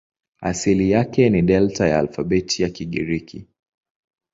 Asili yake ni Delta ya alfabeti ya Kigiriki.